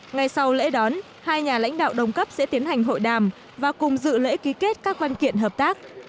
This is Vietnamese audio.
ngay sau lễ đón hai nhà lãnh đạo đồng cấp sẽ tiến hành hội đàm và cùng dự lễ ký kết các văn kiện hợp tác